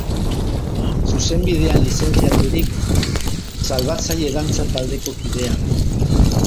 Zuzenbidean lizentziaturik, Salbatzaile dantza taldeko kidea da.